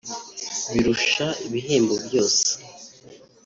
birusha ibihembo byose